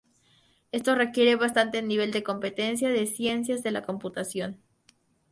Esto requiere bastante nivel de competencia en ciencias de la computación.